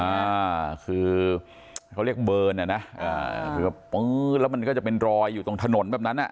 อ่าคือเขาเรียกเบิร์นอ่ะนะอ่าคือว่าปื๊ดแล้วมันก็จะเป็นรอยอยู่ตรงถนนแบบนั้นอ่ะ